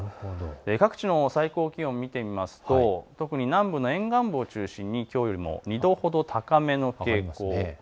各地の最高気温、見てみますと特に南部の沿岸部を中心にきょうより２度ほど高めの傾向です。